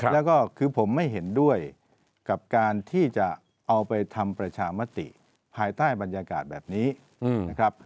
แล้วก็คือผมไม่เห็นด้วยกับการที่จะเอาไปทำประชามติภายใต้บรรยากาศแบบนี้นะครับ